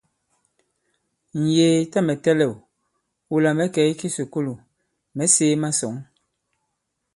Ǹyēē, tâ mɛ̀ tɛlɛ̂w, wula mɛ̌ kɛ̀ i kisùkulù, mɛ̌ sēē masɔ̌ŋ.